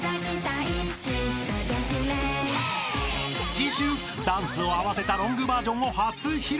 ［次週ダンスを合わせたロングバーションを初披露！］